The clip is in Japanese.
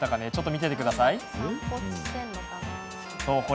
見てください。